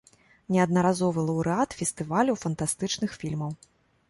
Неаднаразовы лаўрэат фестываляў фантастычных фільмаў.